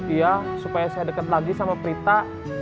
iya supaya saya dekat lagi sama prita